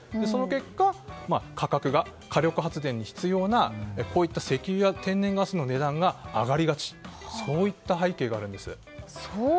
その結果、価格が火力発電に必要な石油や天然ガスの値段が上がりがちといった背景があるんです。